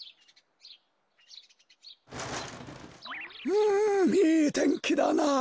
うんいいてんきだなあ。